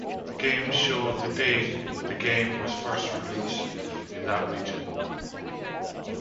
The games show the date the game was first release in that region.